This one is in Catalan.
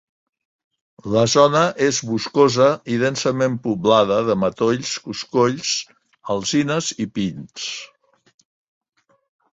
La zona és boscosa i densament poblada de matolls, coscolls, alzines i pins.